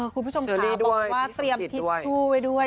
คุณผู้ชมขาบอกว่าเตรียมทิสซู้อ้ดไว้ด้วย